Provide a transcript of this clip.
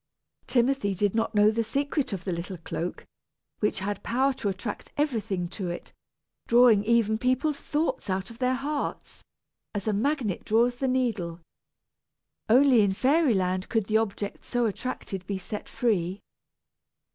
Timothy did not know the secret of the little cloak, which had power to attract everything to it, drawing even people's thoughts out of their hearts, as a magnet draws the needle. Only in fairy land could the objects so attracted be set free.